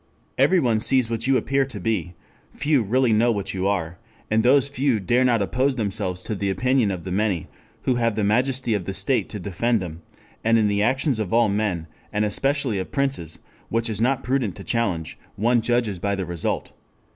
Everyone sees what you appear to be, few really know what you are, and those few dare not oppose themselves to the opinion of the many, who have the majesty of the state to defend them; and in the actions of all men, and especially of princes, which it is not prudent to challenge, one judges by the result....